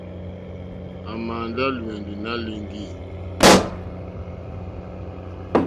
À mà ndá lùwɛ̀ndì nǎ líŋɡì.